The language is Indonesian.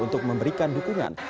untuk memberikan dukungan